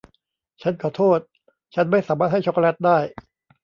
ฉันขอโทษฉันไม่สามารถให้ช็อกโกแลตได้